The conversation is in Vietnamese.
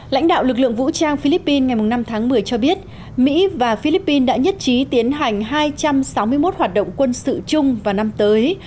lãnh đạo lực lượng vũ trang philippines ngày năm tháng một mươi cho biết mỹ và philippines đã nhất trí tiến hành hai trăm sáu mươi một hoạt động quân sự chung vào năm tới